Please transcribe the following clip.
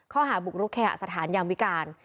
ข้อหาบุกรุกเคหสถานยามวิการ